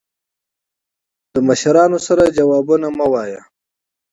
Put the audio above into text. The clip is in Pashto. مشرانو ته جواب مه ګرځوه